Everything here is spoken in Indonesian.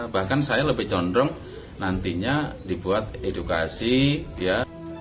bahkan saya lebih condong nantinya dibuat edukasi ya